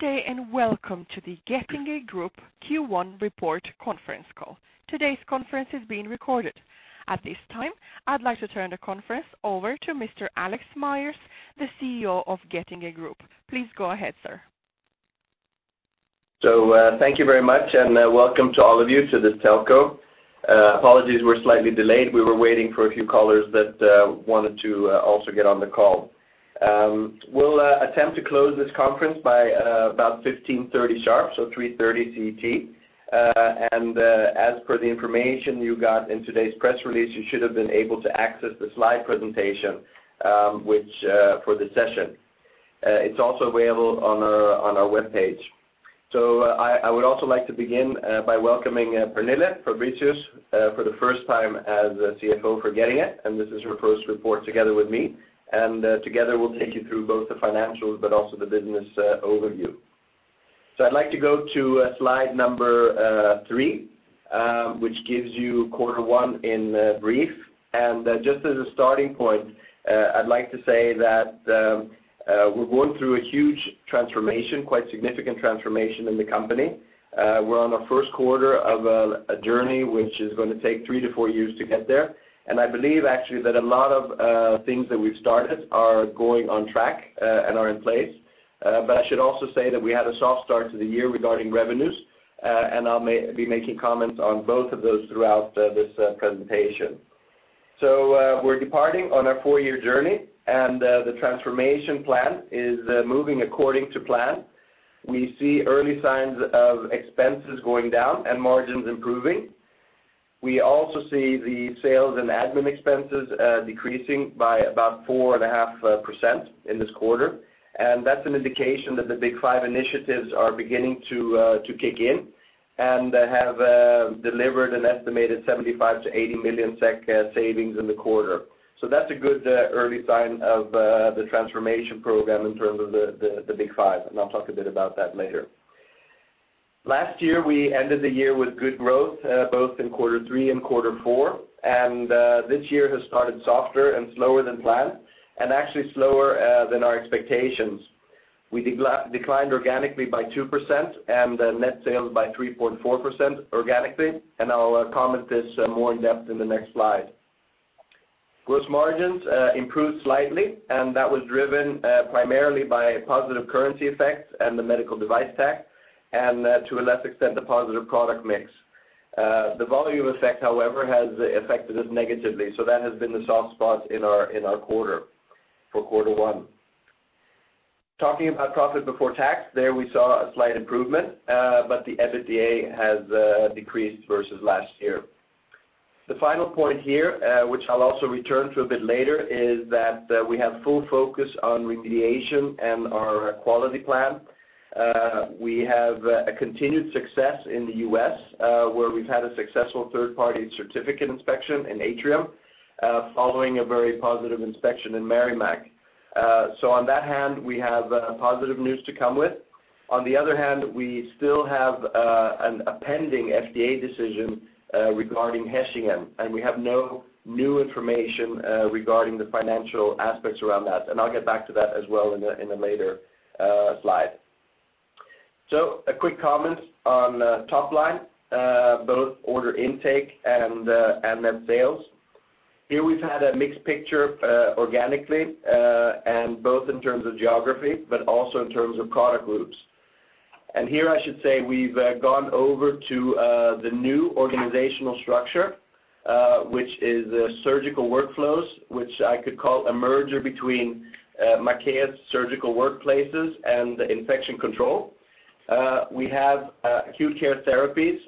Good day, and welcome to the Getinge Group Q1 report conference call. Today's conference is being recorded. At this time, I'd like to turn the conference over to Mr. Alex Myers, the CEO of Getinge Group. Please go ahead, sir. So, thank you very much, and welcome to all of you to this telco. Apologies, we're slightly delayed. We were waiting for a few callers that wanted to also get on the call. We'll attempt to close this conference by about 3:30 P.M. sharp, so 3:30 P.M. CET. And as per the information you got in today's press release, you should have been able to access the slide presentation, which for this session. It's also available on our, on our web page. So I, I would also like to begin by welcoming Pernille Fabricius for the first time as CFO for Getinge, and this is her first report together with me, and together, we'll take you through both the financials, but also the business overview. So I'd like to go to slide number three, which gives you quarter one in brief. Just as a starting point, I'd like to say that we're going through a huge transformation, quite significant transformation in the company. We're on our first quarter of a journey, which is going to take three to four years to get there. I believe, actually, that a lot of things that we've started are going on track and are in place. I should also say that we had a soft start to the year regarding revenues, and I'll be making comments on both of those throughout this presentation. We're departing on our four-year journey, and the transformation plan is moving according to plan. We see early signs of expenses going down and margins improving. We also see the sales and admin expenses decreasing by about 4.5% in this quarter, and that's an indication that the Big 5 initiatives are beginning to kick in and have delivered an estimated 75 million- 80 million SEK savings in the quarter. So that's a good early sign of the transformation program in terms of the Big 5, and I'll talk a bit about that later. Last year, we ended the year with good growth both in quarter three and quarter four, and this year has started softer and slower than planned, and actually slower than our expectations. We declined organically by 2% and net sales by 3.4% organically, and I'll comment this more in depth in the next slide. Gross margins improved slightly, and that was driven primarily by positive currency effects and the medical device tax, and to a less extent, the positive product mix. The volume effect, however, has affected us negatively, so that has been the soft spot in our quarter for quarter one. Talking about profit before tax, there we saw a slight improvement, but the EBITDA has decreased versus last year. The final point here, which I'll also return to a bit later, is that we have full focus on remediation and our quality plan. We have a continued success in the U.S., where we've had a successful third-party certificate inspection in Atrium, following a very positive inspection in Merrimack. So on that hand, we have positive news to come with. On the other hand, we still have a pending FDA decision regarding Hechingen, and we have no new information regarding the financial aspects around that, and I'll get back to that as well in a later slide. So a quick comment on top line, both order intake and net sales. Here we've had a mixed picture organically, and both in terms of geography, but also in terms of product groups. And here, I should say, we've gone over to the new organizational structure, which is Surgical Workflows, which I could call a merger between Maquet Surgical Workplaces and Infection Control. We have Acute Care Therapies,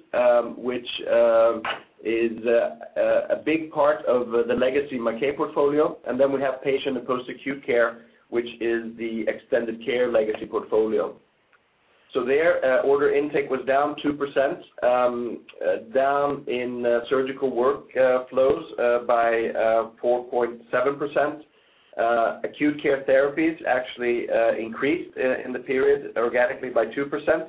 which is a big part of the legacy Maquet portfolio, and then we have Patient and Post-Acute Care, which is the extended care legacy portfolio. So there, order intake was down 2%, down in Surgical Workflows by 4.7%. Acute Care Therapies actually increased in the period, organically, by 2%,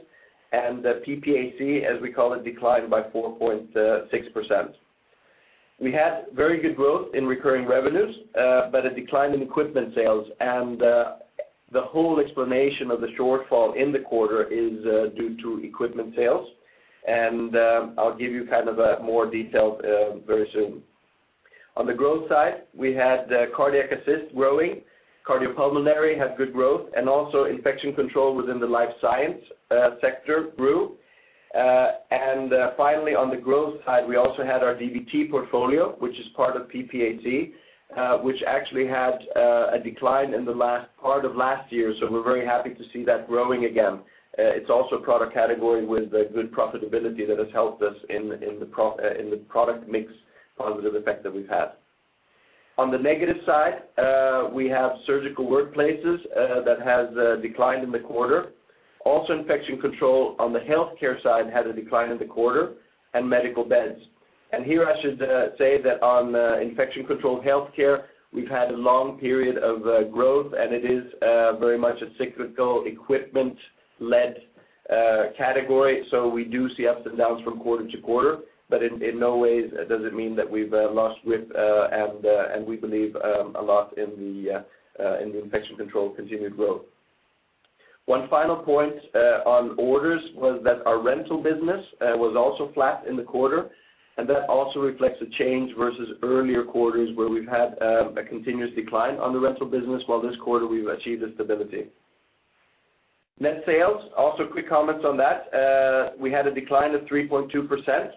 and PPAC, as we call it, declined by 4.6%. We had very good growth in recurring revenues, but a decline in equipment sales, and the whole explanation of the shortfall in the quarter is due to equipment sales, and I'll give you kind of a more detailed very soon. On the growth side, we had Cardiac Assist growing, Cardiopulmonary had good growth, and also Infection Control within the Life Science sector grew. And finally, on the growth side, we also had our DVT portfolio, which is part of PPAC, which actually had a decline in the last part of last year, so we're very happy to see that growing again. It's also a product category with good profitability that has helped us in the product mix positive effect that we've had. On the negative side, we have Surgical Workplaces that has declined in the quarter. Also, Infection Control on the healthcare side had a decline in the quarter and medical beds. And here I should say that on Infection Control healthcare, we've had a long period of growth, and it is very much a cyclical, equipment-led category. So we do see ups and downs from quarter to quarter, but in no way does it mean that we've lost width, and we believe a lot in the Infection Control continued growth. One final point on orders was that our rental business was also flat in the quarter, and that also reflects a change versus earlier quarters, where we've had a continuous decline on the rental business, while this quarter we've achieved a stability. Net sales, also quick comments on that. We had a decline of 3.2%.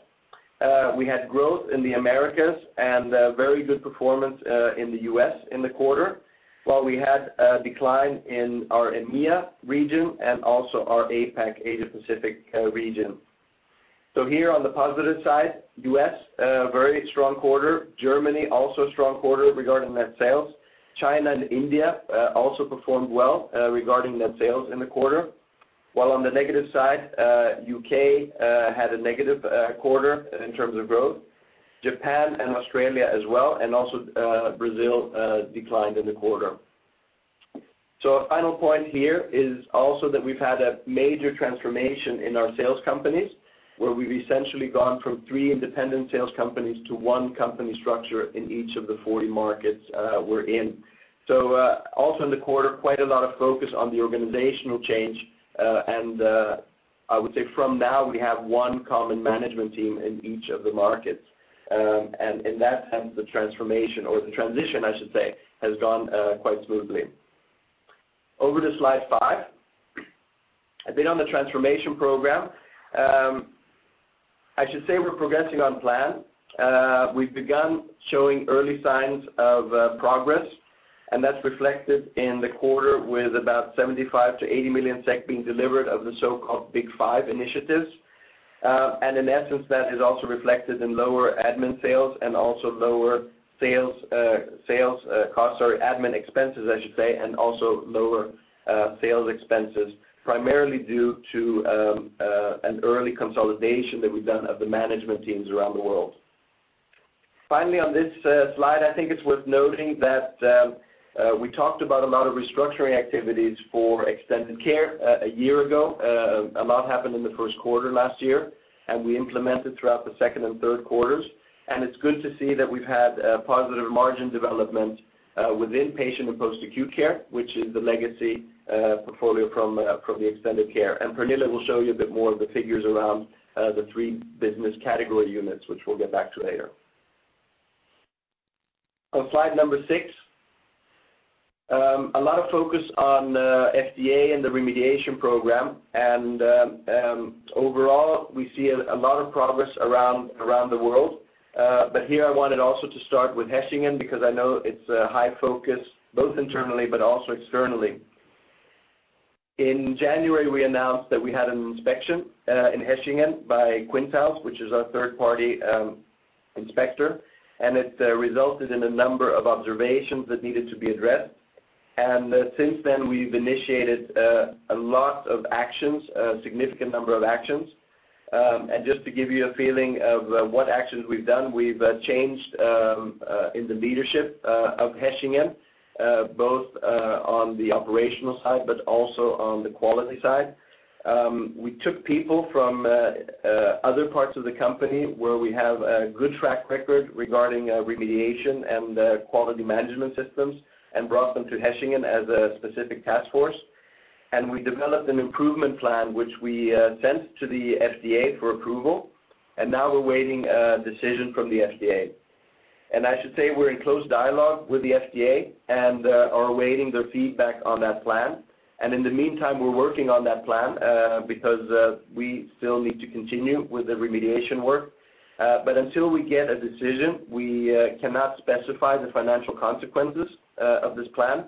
We had growth in the Americas and very good performance in the U.S. in the quarter, while we had a decline in our EMEA region and also our APAC, Asia Pacific, region. So here on the positive side, U.S. very strong quarter. Germany, also a strong quarter regarding net sales. China and India also performed well regarding net sales in the quarter. While on the negative side, U.K. had a negative quarter in terms of growth. Japan and Australia as well, and also, Brazil, declined in the quarter. So a final point here is also that we've had a major transformation in our sales companies, where we've essentially gone from three independent sales companies to one company structure in each of the 40 markets we're in. So, also in the quarter, quite a lot of focus on the organizational change, and I would say from now, we have one common management team in each of the markets. And in that sense, the transformation, or the transition, I should say, has gone quite smoothly. Over to slide five. A bit on the transformation program. I should say we're progressing on plan. We've begun showing early signs of progress, and that's reflected in the quarter with about 75 million-80 million SEK being delivered of the so-called Big 5 initiatives. And in essence, that is also reflected in lower admin sales and also lower sales costs, or admin expenses, I should say, and also lower sales expenses, primarily due to an early consolidation that we've done of the management teams around the world. Finally, on this slide, I think it's worth noting that we talked about a lot of restructuring activities for Extended Care a year ago. A lot happened in the first quarter last year, and we implemented throughout the second and third quarters. It's good to see that we've had a positive margin development within Patient and Post-Acute Care, which is the legacy portfolio from the Extended Care. Pernille will show you a bit more of the figures around the three business category units, which we'll get back to later. On slide number six, a lot of focus on FDA and the remediation program, and overall, we see a lot of progress around the world. But here I wanted also to start with Hechingen, because I know it's a high focus, both internally but also externally. In January, we announced that we had an inspection in Hechingen by Quintiles, which is our third-party inspector, and it resulted in a number of observations that needed to be addressed. Since then, we've initiated a lot of actions, a significant number of actions. Just to give you a feeling of what actions we've done, we've changed in the leadership of Hechingen, both on the operational side, but also on the quality side. We took people from other parts of the company where we have a good track record regarding remediation and quality management systems, and brought them to Hechingen as a specific task force. We developed an improvement plan, which we sent to the FDA for approval, and now we're awaiting a decision from the FDA. I should say we're in close dialogue with the FDA and are awaiting their feedback on that plan. In the meantime, we're working on that plan, because we still need to continue with the remediation work. But until we get a decision, we cannot specify the financial consequences of this plan.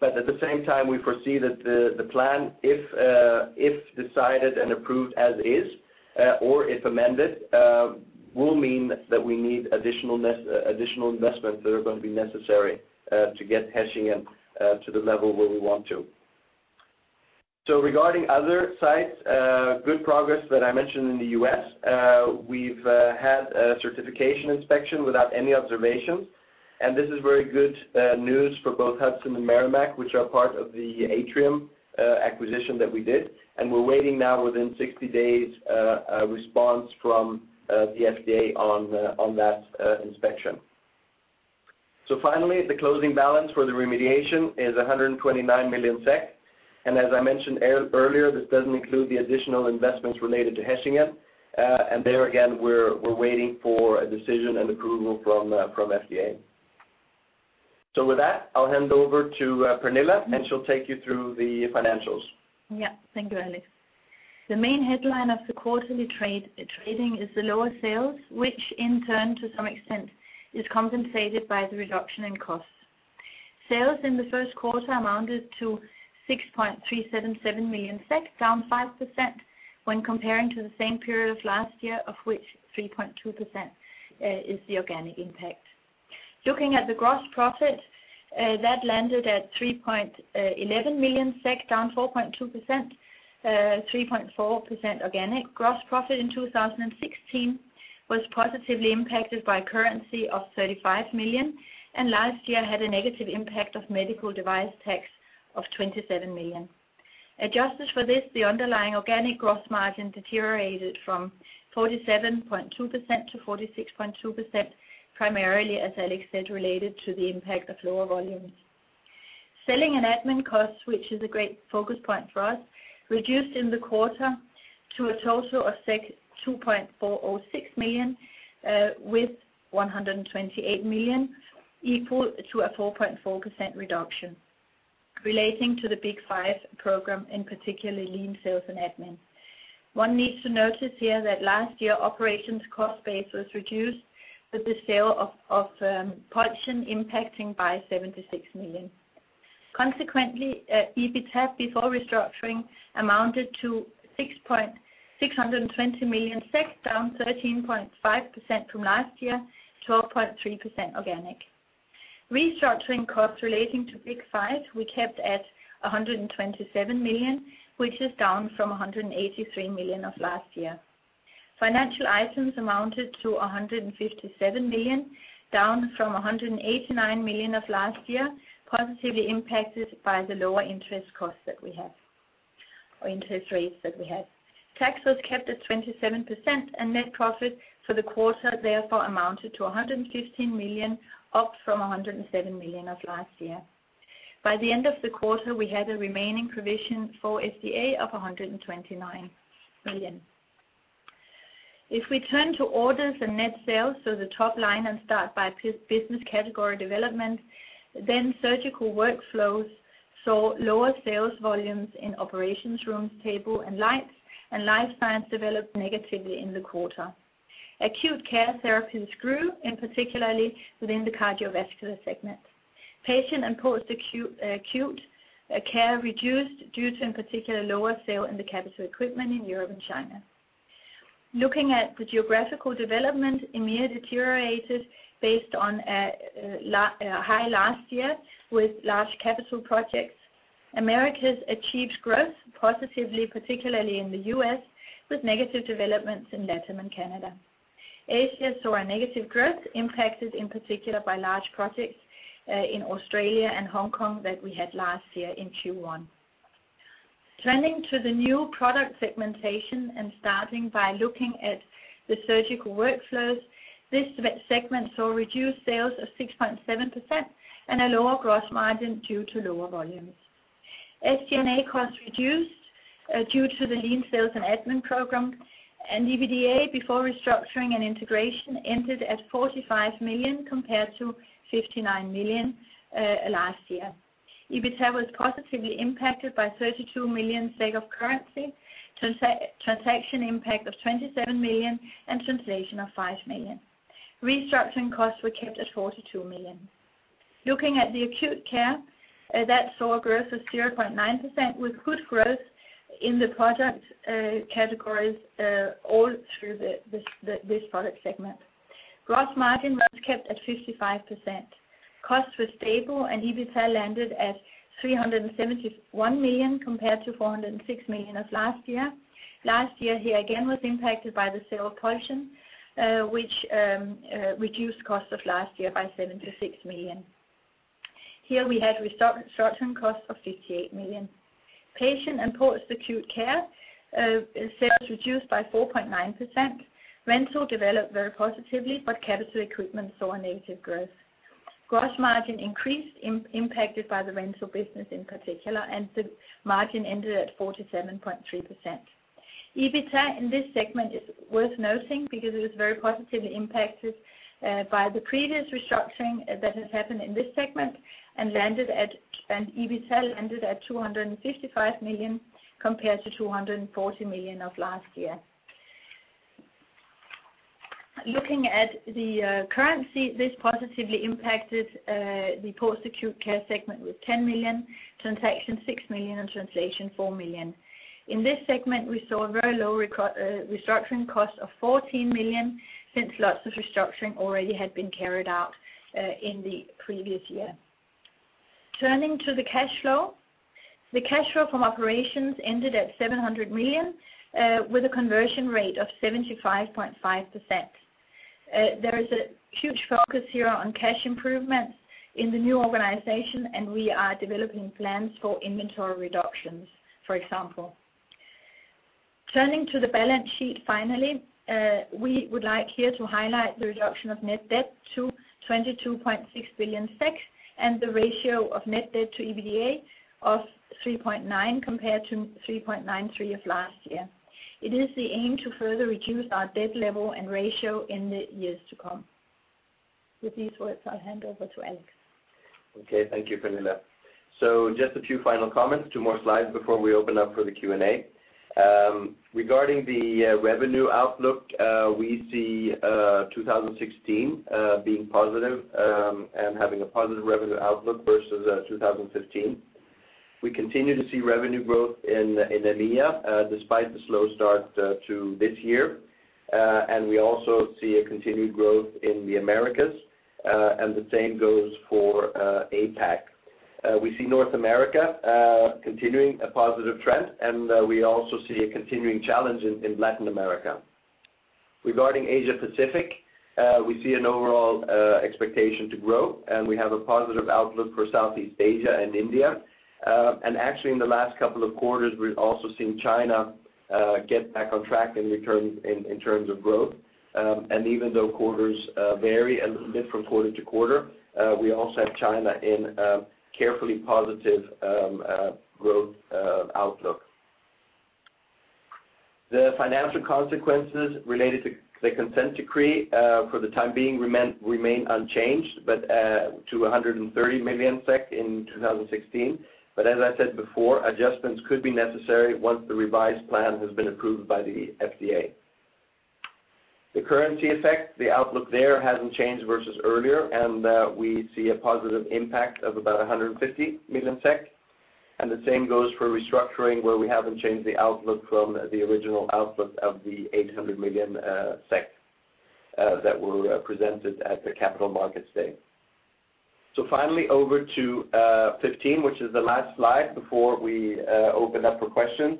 But at the same time, we foresee that the plan, if decided and approved as is, or if amended, will mean that we need additional investments that are going to be necessary to get Hechingen to the level where we want to. So regarding other sites, good progress that I mentioned in the U.S. We've had a certification inspection without any observations, and this is very good news for both Hudson and Merrimack, which are part of the Atrium acquisition that we did. We're waiting now within 60 days, a response from the FDA on that inspection. So finally, the closing balance for the remediation is 129 million SEK. And as I mentioned earlier, this doesn't include the additional investments related to Hechingen. And there again, we're waiting for a decision and approval from FDA. So with that, I'll hand over to Pernille, and she'll take you through the financials. Yeah. Thank you, Alex. The main headline of the quarterly trading is the lower sales, which in turn, to some extent, is compensated by the reduction in costs. Sales in the first quarter amounted to 6.377 million SEK, down 5% when comparing to the same period of last year, of which 3.2% is the organic impact. Looking at the gross profit, that landed at 3.11 million SEK, down 4.2%, 3.4% organic. Gross profit in 2016 was positively impacted by currency of 35 million, and last year had a negative impact of medical device tax of 27 million. Adjusted for this, the underlying organic gross margin deteriorated from 47.2% to 46.2%, primarily, as Alex said, related to the impact of lower volumes. Selling and admin costs, which is a great focus point for us, reduced in the quarter to a total of 2.406 million, with 128 million, equal to a 4.4% reduction relating to the Big 5 program, in particularly Lean Sales and Admin. One needs to notice here that last year, operations cost base was reduced with the sale of Pulsion impacting by 76 million. Consequently, EBITA before restructuring amounted to 666 million SEK, down 13.5% from last year, to a 0.3% organic. Restructuring costs relating to Big 5, we kept at 127 million, which is down from 183 million of last year. Financial items amounted to 157 million, down from 189 million of last year, positively impacted by the lower interest costs that we have, or interest rates that we had. Tax was kept at 27%, and net profit for the quarter therefore amounted to 115 million, up from 107 million of last year. By the end of the quarter, we had a remaining provision for FDA of 129 million. If we turn to orders and net sales, so the top line, and start by business category development, then Surgical Workflows saw lower sales volumes in operating rooms, tables, and lights, and Life Science developed negatively in the quarter. Acute Care Therapies grew, and particularly within the cardiovascular segment. Patient and Post-Acute Care reduced due to, in particular, lower sales in the capital equipment in Europe and China. Looking at the geographical development, EMEA deteriorated based on high last year with large capital projects. Americas achieves growth positively, particularly in the U.S., with negative developments in LATAM and Canada. Asia saw a negative growth, impacted in particular by large projects in Australia and Hong Kong that we had last year in Q1. Turning to the new product segmentation and starting by looking at the Surgical Workflows, this segment saw reduced sales of 6.7% and a lower gross margin due to lower volumes. SG&A costs reduced due to the Lean Sales and Admin program, and EBITDA before restructuring and integration ended at 45 million compared to 59 million last year. EBITA was positively impacted by 32 million of currency, transaction impact of 27 million, and translation of 5 million. Restructuring costs were kept at 42 million. Looking at the Acute Care, that saw growth of 0.9%, with good growth in the product categories all through this product segment. Gross margin was kept at 55%. Costs were stable, and EBITA landed at 371 million, compared to 406 million of last year. Last year here again was impacted by the sale Pulsion, which reduced costs of last year by 76 million. Here we had restructuring costs of 58 million. Patient and Post-Acute Care sales reduced by 4.9%. Rental developed very positively, but capital equipment saw a negative growth. Gross margin increased, impacted by the rental business in particular, and the margin ended at 47.3%. EBITA in this segment is worth noting because it was very positively impacted by the previous restructuring that has happened in this segment, and landed at, and EBITA landed at 255 million, compared to 240 million of last year. Looking at the currency, this positively impacted the Post-Acute Care segment with 10 million, transaction 6 million, and translation 4 million. In this segment, we saw a very low restructuring cost of 14 million, since lots of restructuring already had been carried out in the previous year. Turning to the cash flow. The cash flow from operations ended at 700 million, with a conversion rate of 75.5%. There is a huge focus here on cash improvements in the new organization, and we are developing plans for inventory reductions, for example. Turning to the balance sheet finally, we would like here to highlight the reduction of net debt to 22.6 billion, and the ratio of net debt to EBITDA of 3.9, compared to 3.93 of last year. It is the aim to further reduce our debt level and ratio in the years to come. With these words, I'll hand over to Alex. Okay. Thank you, Pernille. So just a few final comments, two more slides before we open up for the Q&A. Regarding the revenue outlook, we see 2016 being positive and having a positive revenue outlook versus 2015. We continue to see revenue growth in EMEA despite the slow start to this year. And we also see a continued growth in the Americas, and the same goes for APAC. We see North America continuing a positive trend, and we also see a continuing challenge in Latin America.... Regarding Asia Pacific, we see an overall expectation to grow, and we have a positive outlook for Southeast Asia and India. Actually, in the last couple of quarters, we've also seen China get back on track in turn, in terms of growth. Even though quarters vary a little bit from quarter to quarter, we also have China in a cautiously positive growth outlook. The financial consequences related to the Consent Decree for the time being remain unchanged, but to 130 million SEK in 2016. But as I said before, adjustments could be necessary once the revised plan has been approved by the FDA. The currency effect, the outlook there hasn't changed versus earlier, and we see a positive impact of about 150 million SEK. The same goes for restructuring, where we haven't changed the outlook from the original outlook of 800 million that were presented at the Capital Markets Day. Finally, over to 15, which is the last slide before we open up for questions.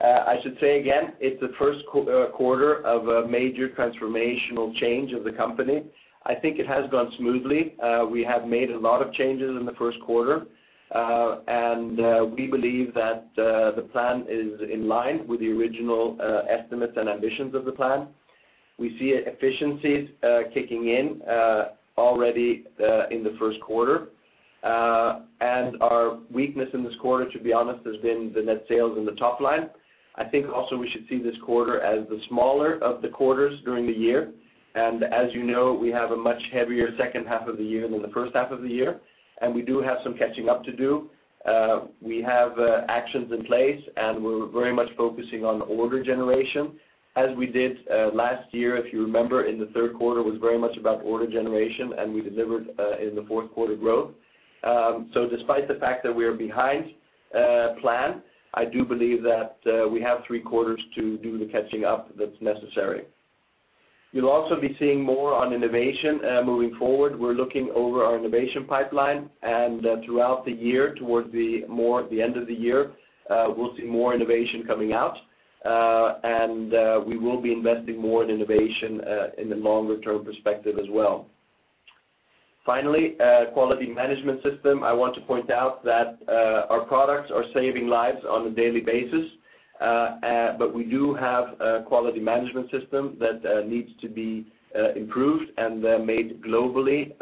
I should say again, it's the first quarter of a major transformational change of the company. I think it has gone smoothly. We have made a lot of changes in the first quarter. And we believe that the plan is in line with the original estimates and ambitions of the plan. We see efficiencies kicking in already in the first quarter. And our weakness in this quarter, to be honest, has been the net sales and the top line. I think also we should see this quarter as the smaller of the quarters during the year. And as you know, we have a much heavier second half of the year than the first half of the year, and we do have some catching up to do. We have actions in place, and we're very much focusing on order generation. As we did last year, if you remember, in the third quarter, was very much about order generation, and we delivered in the fourth quarter growth. So despite the fact that we are behind plan, I do believe that we have three quarters to do the catching up that's necessary. You'll also be seeing more on innovation moving forward. We're looking over our innovation pipeline, and throughout the year, towards the end of the year, we'll see more innovation coming out. And we will be investing more in innovation in the longer term perspective as well. Finally, Quality Management System. I want to point out that our products are saving lives on a daily basis. But we do have a Quality Management System that needs to be improved and made globally.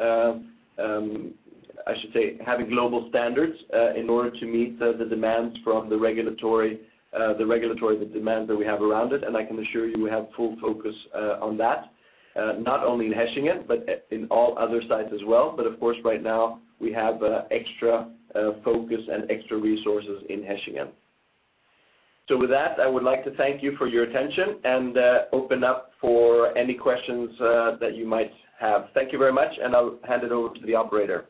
I should say, having global standards in order to meet the demands from the regulatory, the regulatory demands that we have around it. And I can assure you, we have full focus on that, not only in Hechingen, but in all other sites as well. But of course, right now, we have extra focus and extra resources in Hechingen. So with that, I would like to thank you for your attention and open up for any questions that you might have. Thank you very much, and I'll hand it over to the operator.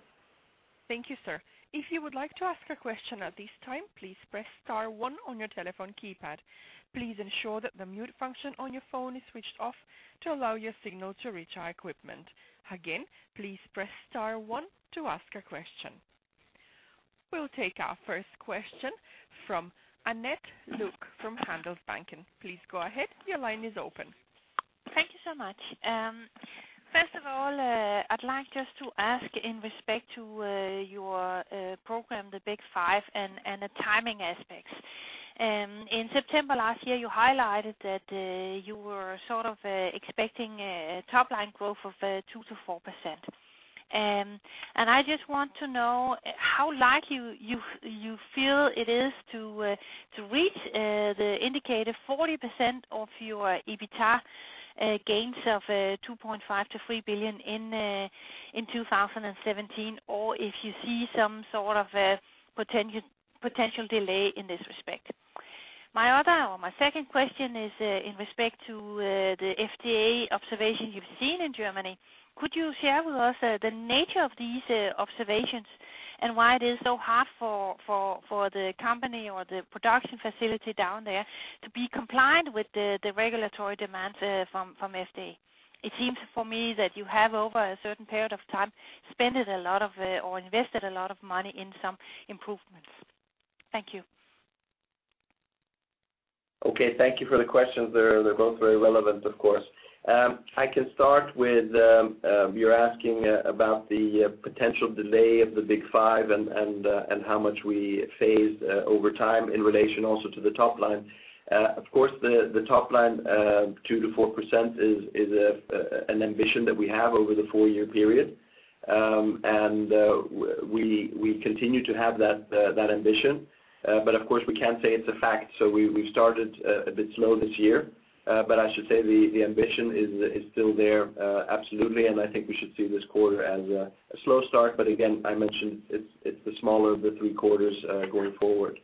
Thank you, sir. If you would like to ask a question at this time, please press star one on your telephone keypad. Please ensure that the mute function on your phone is switched off to allow your signal to reach our equipment. Again, please press star one to ask a question. We'll take our first question from Annette Lykke from Handelsbanken. Please go ahead. Your line is open. Thank you so much. First of all, I'd like just to ask in respect to your program, the Big 5, and the timing aspects. In September last year, you highlighted that you were sort of expecting a top-line growth of 2%-4%. I just want to know how likely you feel it is to reach the indicator 40% of your EBITA gains of 2.5 billion-3 billion in 2017, or if you see some sort of a potential delay in this respect? My other or my second question is in respect to the FDA observation you've seen in Germany. Could you share with us the nature of these observations, and why it is so hard for the company or the production facility down there to be compliant with the regulatory demands from FDA? It seems for me that you have, over a certain period of time, spent a lot of or invested a lot of money in some improvements. Thank you. Okay, thank you for the questions. They're both very relevant, of course. I can start with you're asking about the potential delay of the Big 5 and how much we phase over time in relation also to the top line. Of course, the top line 2%-4% is an ambition that we have over the four-year period. We continue to have that ambition. But of course, we can't say it's a fact, so we started a bit slow this year. But I should say the ambition is still there, absolutely, and I think we should see this quarter as a slow start, but again, I mentioned it's the smaller of the three quarters going forward.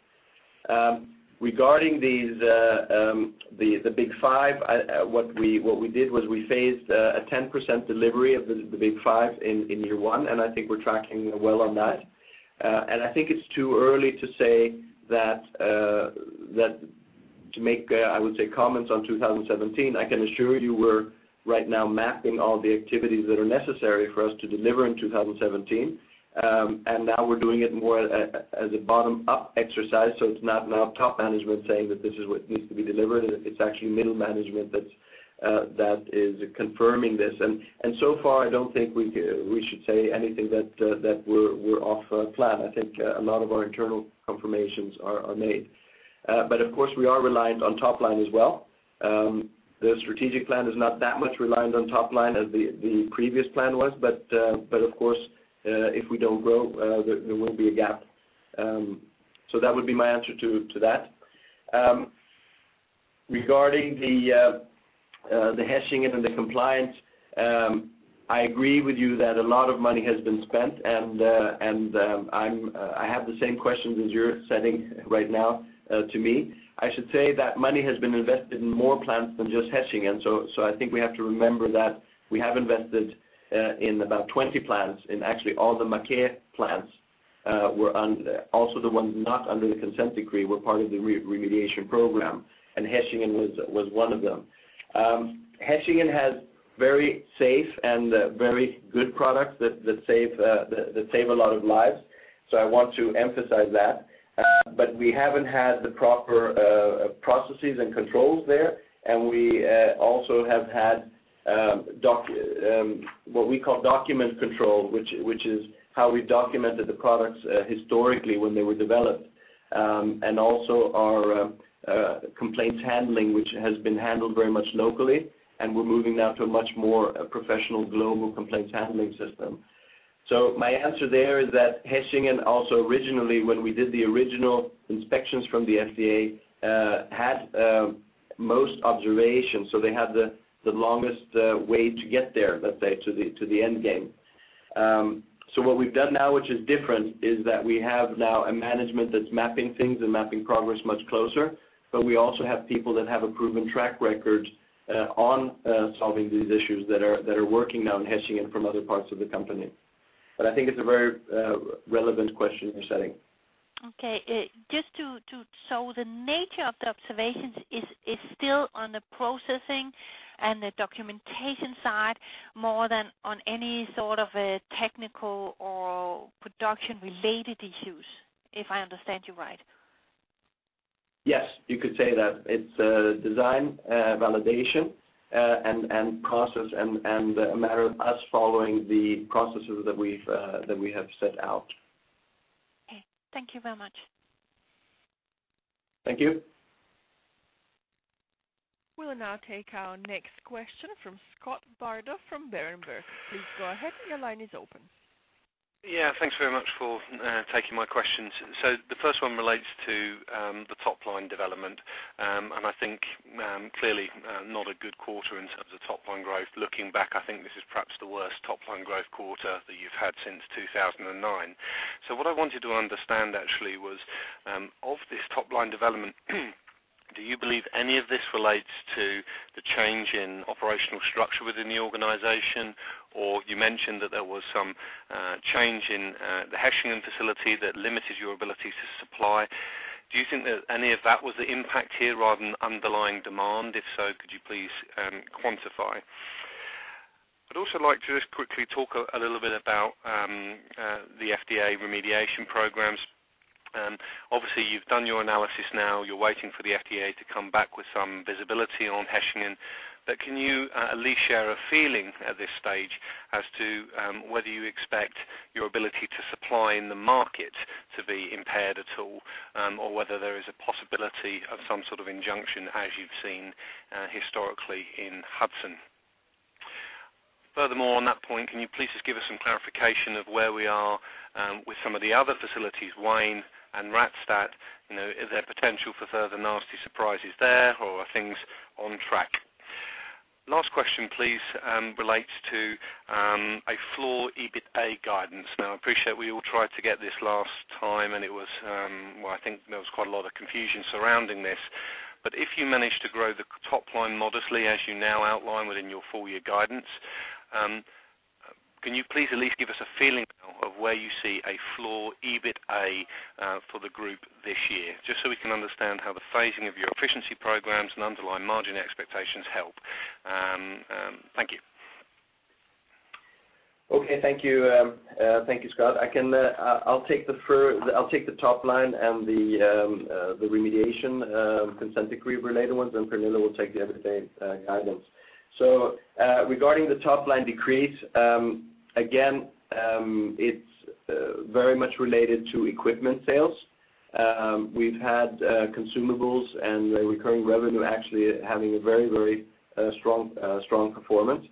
Regarding these, the Big 5, what we did was we phased a 10% delivery of the Big 5 in year one, and I think we're tracking well on that. I think it's too early to say that to make, I would say, comments on 2017. I can assure you we're right now mapping all the activities that are necessary for us to deliver in 2017. And now we're doing it more as a bottom-up exercise, so it's not now top management saying that this is what needs to be delivered. It's actually middle management that's confirming this. And so far, I don't think we can, we should say anything that we're off plan. I think, a lot of our internal confirmations are made. But of course, we are reliant on top line as well. The strategic plan is not that much reliant on top line as the previous plan was, but of course, if we don't grow, there will be a gap. So that would be my answer to that. Regarding the Hechingen and the compliance, I agree with you that a lot of money has been spent, and I have the same questions as you're setting right now, to me. I should say that money has been invested in more plants than just Hechingen, so I think we have to remember that we have invested in about 20 plants, in actually all the Maquet plants, were also the ones not under the consent decree, were part of the remediation program, and Hechingen was one of them. Hechingen has very safe and very good products that save a lot of lives, so I want to emphasize that. But we haven't had the proper processes and controls there, and we also have had what we call document control, which is how we documented the products historically when they were developed. And also our complaints handling, which has been handled very much locally, and we're moving now to a much more professional global complaints handling system. So my answer there is that Hechingen also originally, when we did the original inspections from the FDA, had most observations, so they had the longest way to get there, let's say, to the end game. So what we've done now, which is different, is that we have now a management that's mapping things and mapping progress much closer, but we also have people that have a proven track record on solving these issues that are working now in Hechingen from other parts of the company. But I think it's a very relevant question you're raising. Okay. So the nature of the observations is still on the processing and the documentation side, more than on any sort of a technical or production-related issues, if I understand you right? Yes, you could say that. It's design validation and process, and a matter of us following the processes that we have set out. Okay. Thank you very much. Thank you. We'll now take our next question from Scott Bardo, from Berenberg. Please go ahead. Your line is open. Yeah, thanks very much for taking my questions. So the first one relates to the top-line development. And I think clearly not a good quarter in terms of top-line growth. Looking back, I think this is perhaps the worst top-line growth quarter that you've had since 2009. So what I wanted to understand actually was of this top-line development, do you believe any of this relates to the change in operational structure within the organization? Or you mentioned that there was some change in the Hechingen facility that limited your ability to supply. Do you think that any of that was the impact here rather than underlying demand? If so, could you please quantify? I'd also like to just quickly talk a little bit about the FDA remediation programs. Obviously, you've done your analysis now, you're waiting for the FDA to come back with some visibility on Hechingen. But can you at least share a feeling at this stage as to whether you expect your ability to supply in the market to be impaired at all, or whether there is a possibility of some sort of injunction, as you've seen historically in Hudson? Furthermore, on that point, can you please just give us some clarification of where we are with some of the other facilities, Wayne and Rastatt? You know, is there potential for further nasty surprises there, or are things on track? Last question, please, relates to a floor EBITA guidance. Now, I appreciate we all tried to get this last time, and it was well, I think there was quite a lot of confusion surrounding this. But if you manage to grow the top line modestly, as you now outline within your full year guidance, can you please at least give us a feeling of where you see a floor EBITA for the group this year, just so we can understand how the phasing of your efficiency programs and underlying margin expectations help? Thank you. Okay. Thank you. Thank you, Scott. I can, I'll take the fir- I'll take the top line and the, the remediation, consent decree-related ones, and Pernille will take the EBITA guidance. So, regarding the top-line decrease, again, it's very much related to equipment sales. We've had consumables and recurring revenue actually having a very, very strong performance.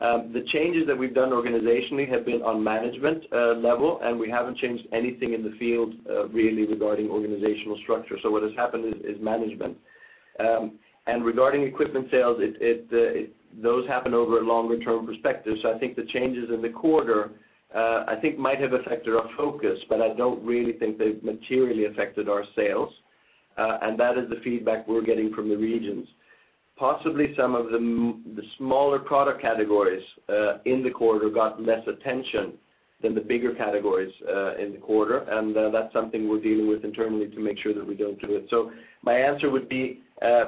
The changes that we've done organizationally have been on management level, and we haven't changed anything in the field really regarding organizational structure. So what has happened is management. And regarding equipment sales, it Those happen over a longer-term perspective. So I think the changes in the quarter, I think might have affected our focus, but I don't really think they've materially affected our sales, and that is the feedback we're getting from the regions. Possibly some of the smaller product categories in the quarter got less attention than the bigger categories in the quarter. And that's something we're dealing with internally to make sure that we don't do it. So my answer would be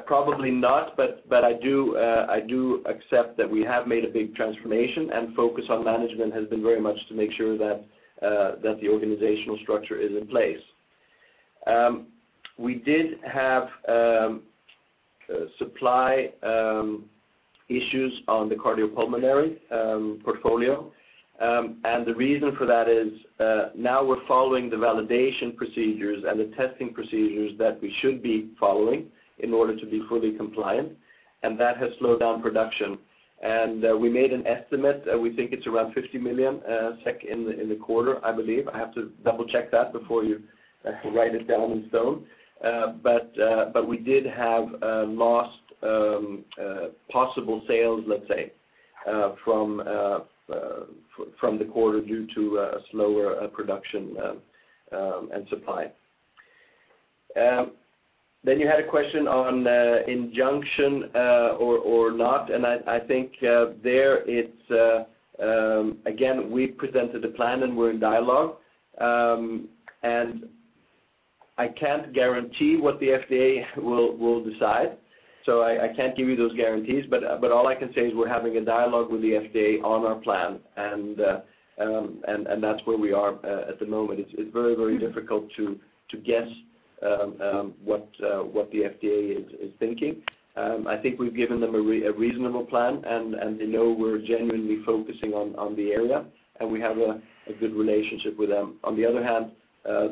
probably not, but, but I do, I do accept that we have made a big transformation, and focus on management has been very much to make sure that the organizational structure is in place. We did have supply issues on the Cardiopulmonary portfolio. And the reason for that is, now we're following the validation procedures and the testing procedures that we should be following in order to be fully compliant, and that has slowed down production. And, we made an estimate, we think it's around 50 million SEK in the quarter, I believe. I have to double-check that before you, I can write it down in stone. But, but we did have, lost, possible sales, let's say, from, from the quarter due to, slower, production, and supply. Then you had a question on, injunction, or, or not, and I, I think, there it's, again, we presented a plan and we're in dialogue. And I can't guarantee what the FDA will decide, so I can't give you those guarantees. But all I can say is we're having a dialogue with the FDA on our plan, and that's where we are at the moment. It's very, very difficult to guess what the FDA is thinking. I think we've given them a reasonable plan, and they know we're genuinely focusing on the area, and we have a good relationship with them. On the other hand,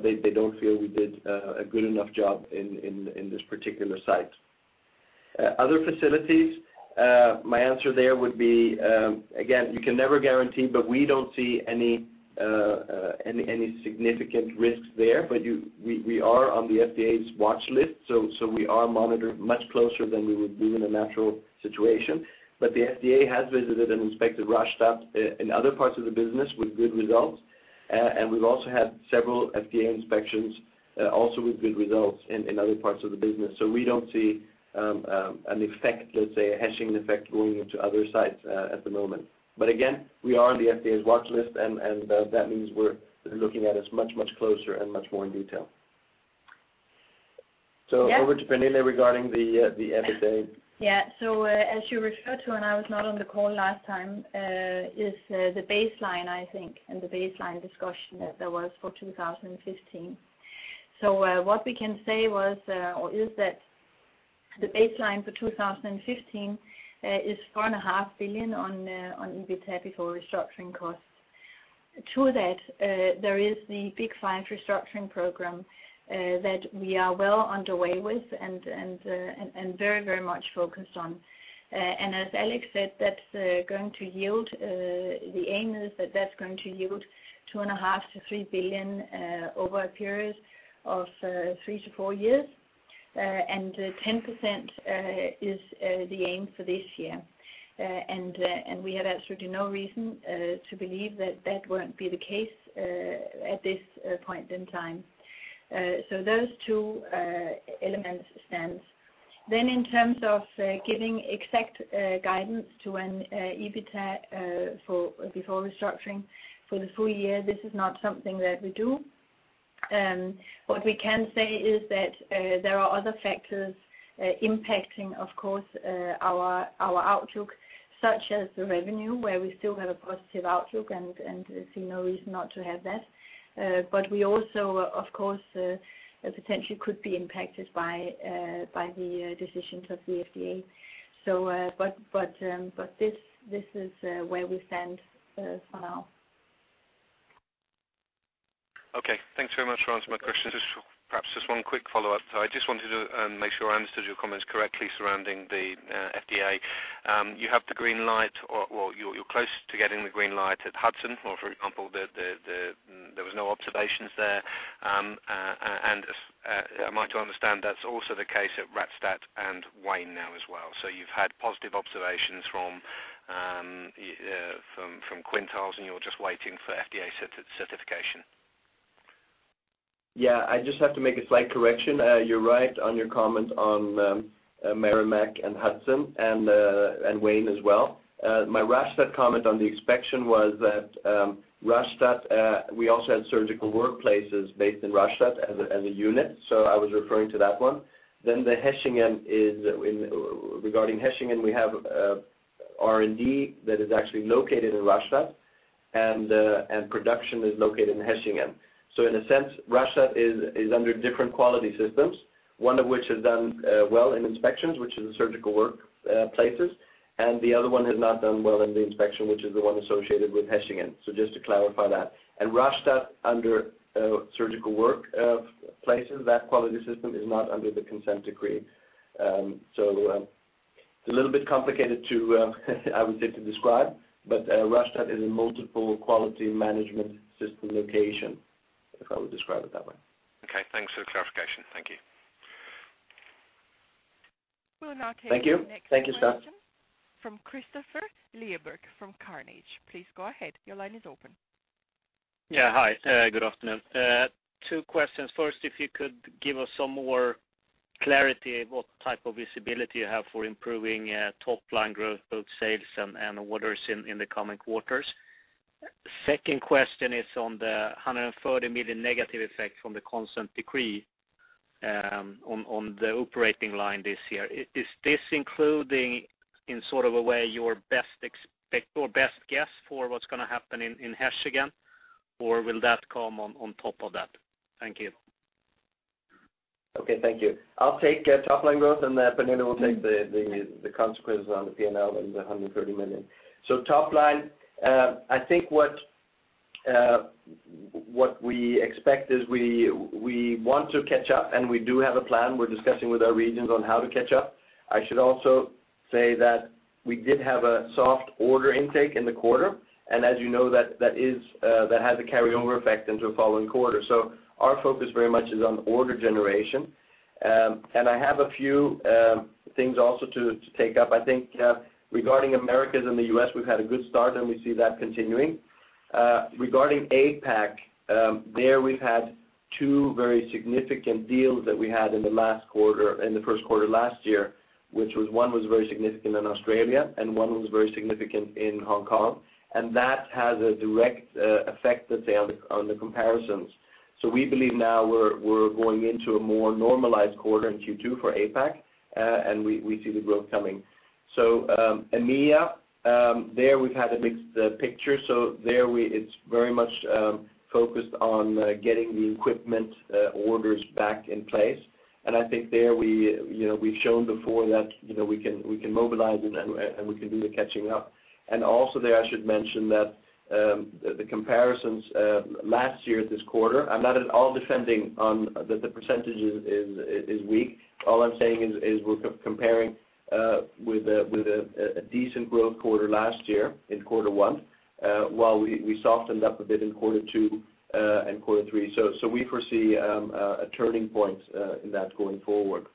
they don't feel we did a good enough job in this particular site. Other facilities, my answer there would be, again, you can never guarantee, but we don't see any significant risks there. But we are on the FDA's watch list, so we are monitored much closer than we would be in a natural situation. But the FDA has visited and inspected Rastatt and other parts of the business with good results. And we've also had several FDA inspections, also with good results in other parts of the business. So we don't see an effect, let's say, a Hechingen effect, going into other sites at the moment. But again, we are on the FDA's watch list, and that means they're looking at us much closer and much more in detail. So over to Pernille regarding the EBITDA. Yeah. So, as you referred to, and I was not on the call last time, is the baseline, I think, and the baseline discussion that there was for 2015. So, what we can say was, or is that the baseline for 2015, is 4.5 billion on EBITA before restructuring costs. To that, there is the Big 5 restructuring program that we are well underway with and very much focused on. And as Alex said, that's going to yield, the aim is that that's going to yield 2.5 billion- 3 billion over a period of three to four years. And 10% is the aim for this year. And we have absolutely no reason to believe that that won't be the case at this point in time. So those two elements stands. Then in terms of giving exact guidance to when EBITA for before restructuring for the full year, this is not something that we do. What we can say is that there are other factors impacting, of course, our outlook, such as the revenue, where we still have a positive outlook and see no reason not to have that. But we also, of course, potentially could be impacted by the decisions of the FDA. But this is where we stand for now. Okay. Thanks very much for answering my questions. Just perhaps just one quick follow-up. So I just wanted to make sure I understood your comments correctly surrounding the FDA. You have the green light, or, well, you're close to getting the green light at Hudson, or for example, there was no observations there. Am I to understand that's also the case at Rastatt and Wayne now as well? So you've had positive observations from Quintiles, and you're just waiting for FDA certification? Yeah, I just have to make a slight correction. You're right on your comments on Merrimack and Hudson and Wayne as well. My Rastatt comment on the inspection was that Rastatt we also had Surgical Workplaces based in Rastatt as a unit, so I was referring to that one. Then the Hechingen is in, regarding Hechingen, we have R&D that is actually located in Rastatt, and production is located in Hechingen. So in a sense, Rastatt is under different quality systems, one of which has done well in inspections, which is the Surgical Workplaces, and the other one has not done well in the inspection, which is the one associated with Hechingen. So just to clarify that. Rastatt, under Surgical Workplaces, that quality system is not under the Consent Decree. So, it's a little bit complicated to, I would say, to describe, but, Rastatt is a multiple Quality Management System location, if I would describe it that way. Okay, thanks for the clarification. Thank you. We'll now take the next question. Thank you. Thank you, sir. From Kristofer Liljeberg from Carnegie. Please go ahead. Your line is open. Yeah, hi, good afternoon. Two questions. First, if you could give us some more clarity what type of visibility you have for improving top line growth, both sales and orders in the coming quarters. Second question is on the 130 million negative effect from the consent decree, on the operating line this year. Is this including, in sort of a way, your best expect- or best guess for what's gonna happen in Hechingen? Or will that come on top of that? Thank you. Okay, thank you. I'll take top line growth, and Pernille will take the consequences on the P&L and the 130 million. So top line, I think what we expect is we want to catch up, and we do have a plan. We're discussing with our regions on how to catch up. I should also say that we did have a soft order intake in the quarter, and as you know, that has a carryover effect into a following quarter. So our focus very much is on order generation. And I have a few things also to take up. I think, regarding Americas and the U.S., we've had a good start, and we see that continuing. Regarding APAC, there we've had two very significant deals that we had in the last quarter, in the first quarter last year, which was one was very significant in Australia, and one was very significant in Hong Kong. And that has a direct effect, let's say, on the comparisons. So we believe now we're going into a more normalized quarter in Q2 for APAC, and we see the growth coming. So, EMEA, there we've had a mixed picture, so there it's very much focused on getting the equipment orders back in place. And I think there we, you know, we've shown before that, you know, we can mobilize and we can do the catching up. And also there, I should mention that the comparisons last year this quarter, I'm not at all defending on that the percentage is weak. All I'm saying is we're comparing with a decent growth quarter last year in quarter one, while we softened up a bit in quarter two and quarter three. So we foresee a turning point in that going forward.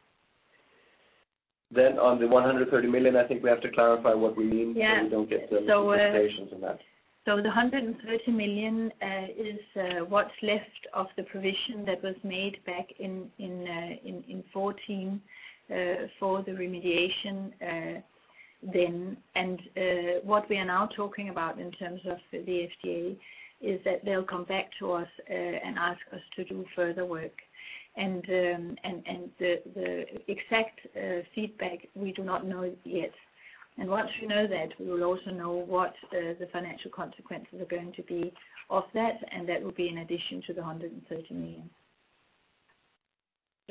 Then on the 130 million, I think we have to clarify what we mean- Yeah... so we don't get the misinterpretations on that. So the 130 million is what's left of the provision that was made back in 2014 for the remediation then. And what we are now talking about in terms of the FDA is that they'll come back to us and ask us to do further work. And the exact feedback we do not know yet. And once we know that, we will also know what the financial consequences are going to be of that, and that will be in addition to the 130 million.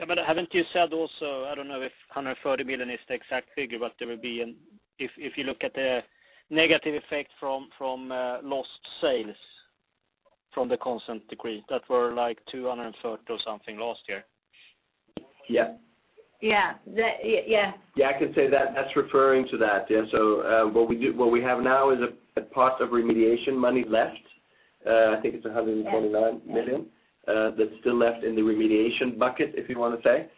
Yeah, but haven't you said also, I don't know if 130 million is the exact figure, but there will be an... If you look at the negative effect from lost sales from the consent decree that were, like, 230 million or something last year. Yeah. Yeah. Yeah. Yeah, I could say that, that's referring to that. Yeah, so what we do, what we have now is a pot of remediation money left. I think it's 129 million- Yes, yes... that's still left in the remediation bucket, if you want to say.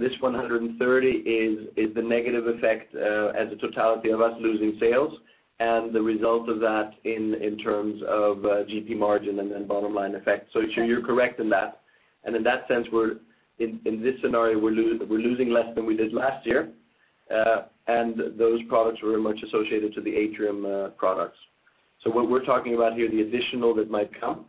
This 130 is the negative effect as a totality of us losing sales and the result of that in terms of GP margin and then bottom line effect. Sure. So you're correct in that. And in that sense, we're in this scenario losing less than we did last year. And those products were very much associated to the Atrium products. So what we're talking about here, the additional that might come,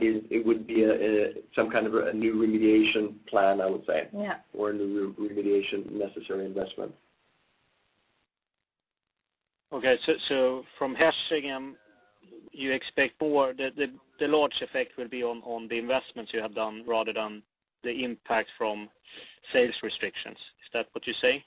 is it would be some kind of a new remediation plan, I would say. Yeah. Or a new re-remediation necessary investment. Okay, so from Hechingen again, you expect more, the large effect will be on the investments you have done rather than the impact from sales restrictions. Is that what you say?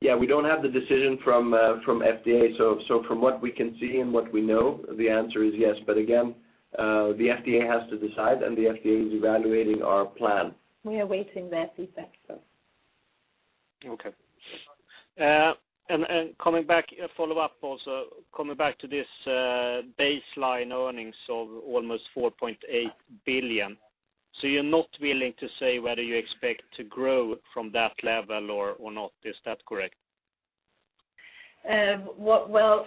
Yeah, we don't have the decision from FDA. So, from what we can see and what we know, the answer is yes. But again, the FDA has to decide, and the FDA is evaluating our plan. We are awaiting their feedback, so. Okay. And coming back, a follow-up also, coming back to this, baseline earnings of almost 4.8 billion, so you're not willing to say whether you expect to grow from that level or not, is that correct? Well,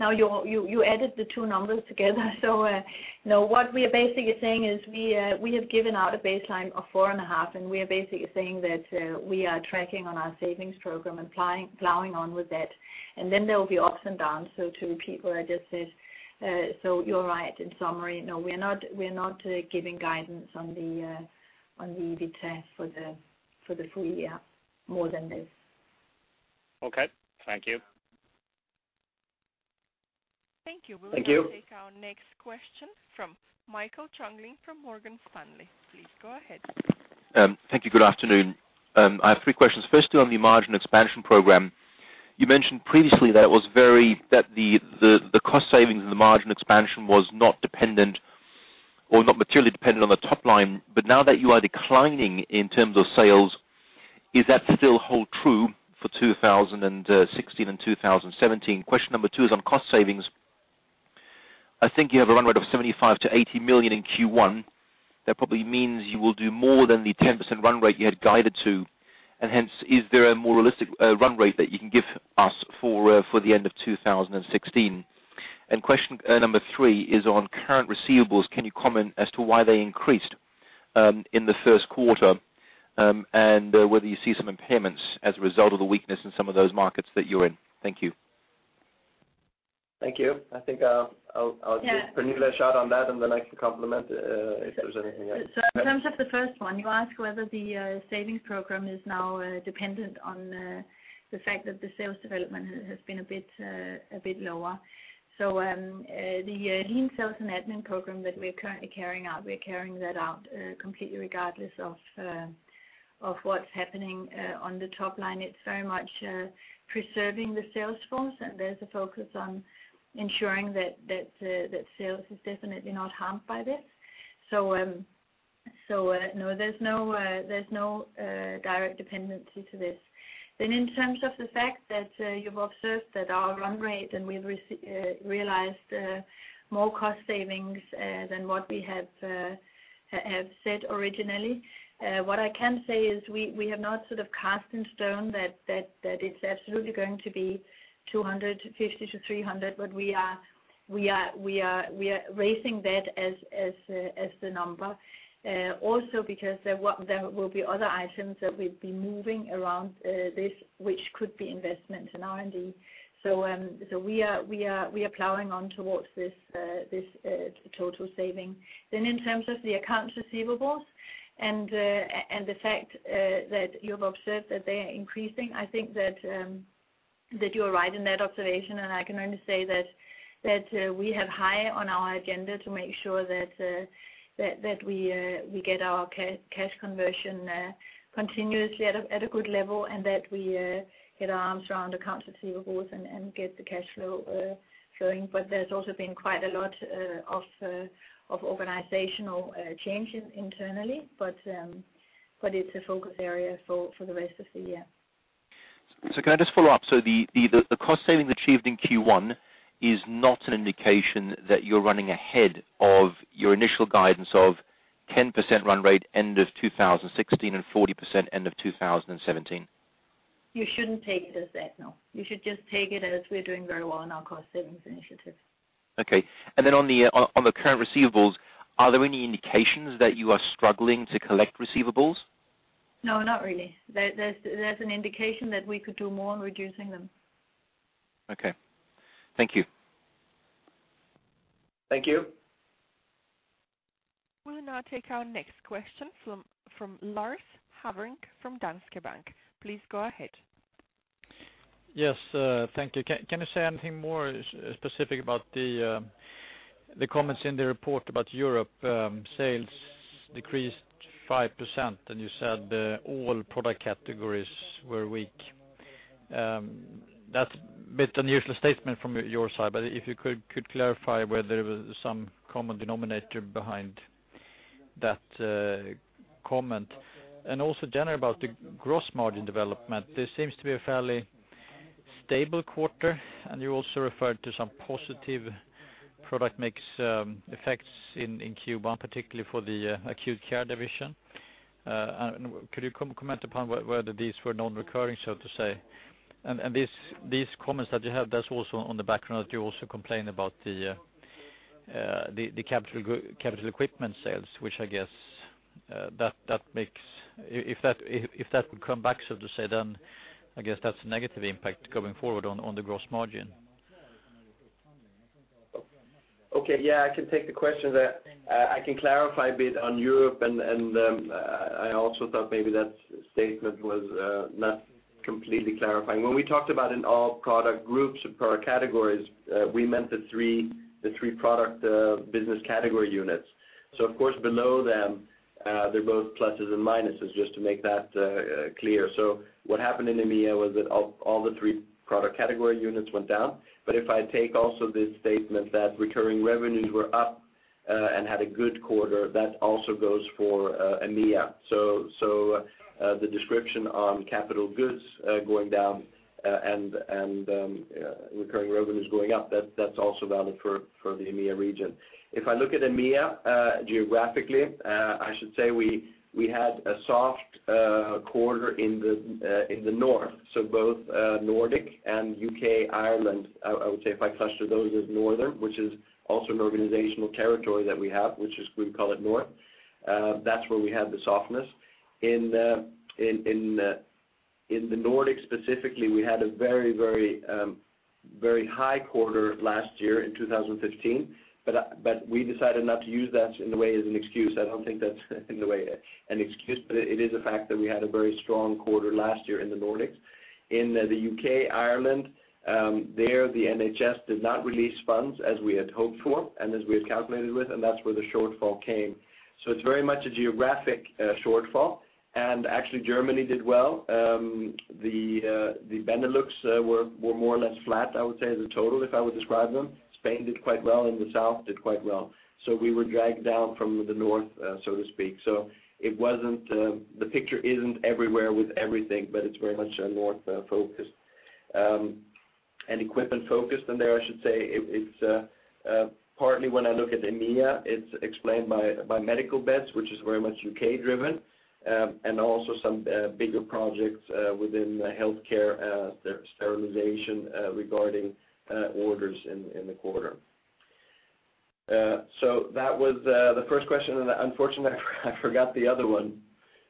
now you're, you added the two numbers together, so no, what we are basically saying is we have given out a baseline of 4.5 billion, and we are basically saying that we are tracking on our savings program and plowing, plowing on with that. And then there will be ups and downs, so to repeat what I just said, so you're right. In summary, no, we are not, we are not giving guidance on the EBITDA for the full year, more than this. Okay, thank you. Thank you. Thank you. We'll now take our next question from Michael Jungling from Morgan Stanley. Please go ahead. Thank you. Good afternoon. I have three questions. Firstly, on the margin expansion program, you mentioned previously that it was very, that the cost savings and the margin expansion was not dependent or not materially dependent on the top line. But now that you are declining in terms of sales, is that still hold true for 2016 and 2017? Question number two is on cost savings. I think you have a run rate of 75 million-80 million in Q1. That probably means you will do more than the 10% run rate you had guided to, and hence, is there a more realistic run rate that you can give us for the end of 2016? And question number three is on current receivables. Can you comment as to why they increased in the first quarter, and whether you see some impairments as a result of the weakness in some of those markets that you're in? Thank you. Thank you. I think I'll- Yeah. Give Pernille a shot on that, and then I can comment if there's anything else. So in terms of the first one, you ask whether the savings program is now dependent on the fact that the sales development has been a bit lower. So, the Lean Sales and Admin program that we're currently carrying out, we're carrying that out completely regardless of what's happening on the top line. It's very much preserving the sales force, and there's a focus on ensuring that sales is definitely not harmed by this. So, no, there's no direct dependency to this. Then in terms of the fact that you've observed that our run rate, and we've realized more cost savings than what we had have said originally, what I can say is we have not sort of cast in stone that it's absolutely going to be 250 million- 300 million, but we are raising that as the number. Also because there will be other items that we've been moving around this, which could be investment in R&D. So we are plowing on towards this total saving. Then in terms of the accounts receivables and, and the fact, that you have observed that they are increasing, I think that, that you are right in that observation, and I can only say that, that, we have high on our agenda to make sure that, that, that we, we get our cash conversion, continuously at a, at a good level, and that we, get our arms around accounts receivables and, and get the cash flow, flowing. But there's also been quite a lot, of, of organizational, change internally, but, but it's a focus area for, for the rest of the year. So can I just follow up? The cost saving achieved in Q1 is not an indication that you're running ahead of your initial guidance of 10% run rate end of 2016 and 40% end of 2017? You shouldn't take it as that, no. You should just take it as we're doing very well in our cost savings initiatives. Okay. And then on the current receivables, are there any indications that you are struggling to collect receivables? No, not really. There's an indication that we could do more on reducing them. Okay. Thank you. Thank you. We'll now take our next question from Lars Hevreng from Danske Bank. Please go ahead. Yes, thank you. Can you say anything more specific about the comments in the report about Europe? Sales decreased 5%, and you said all product categories were weak. That's a bit unusual statement from your side, but if you could clarify whether there was some common denominator behind that comment. And also, generally, about the gross margin development, this seems to be a fairly stable quarter, and you also referred to some positive product mix effects in Q1, particularly for the Acute Care division. And could you comment upon whether these were non-recurring, so to say? And these comments that you have, that's also on the background, you also complain about the capital equipment sales, which I guess that makes... If that would come back, so to say, then I guess that's a negative impact going forward on the gross margin. Okay, yeah, I can take the question. I can clarify a bit on Europe, and, and, I also thought maybe that statement was not completely clarifying. When we talked about in all product groups or product categories, we meant the three product business category units. So of course, below them, they're both pluses and minuses, just to make that clear. So what happened in EMEA was that all the three product category units went down. But if I take also the statement that recurring revenues were up and had a good quarter, that also goes for EMEA. So the description on capital goods going down and recurring revenues going up, that's also valid for the EMEA region. If I look at EMEA, geographically, I should say we had a soft quarter in the north. So both Nordic and U.K., Ireland, I would say if I cluster those as Northern, which is also an organizational territory that we have, which is we call it North, that's where we had the softness. In the Nordic specifically, we had a very, very, very high quarter last year in 2015, but we decided not to use that in the way as an excuse. I don't think that's in the way an excuse, but it is a fact that we had a very strong quarter last year in the Nordic. In the U.K., Ireland, there, the NHS did not release funds as we had hoped for and as we had calculated with, and that's where the shortfall came. So it's very much a geographic shortfall, and actually, Germany did well. The Benelux were more or less flat, I would say, as a total, if I would describe them. Spain did quite well, and the South did quite well. So we were dragged down from the North, so to speak. So it wasn't, the picture isn't everywhere with everything, but it's very much a north focus. And equipment focus in there, I should say, it, it's. Partly, when I look at EMEA, it's explained by, by medical beds, which is very much U.K. driven, and also some bigger projects within the healthcare sterilization regarding orders in the quarter. So that was the first question, and unfortunately, I forgot the other one.